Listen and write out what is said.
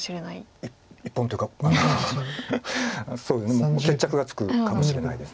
もう決着がつくかもしれないです